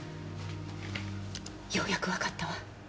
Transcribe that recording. ようやくわかったわ。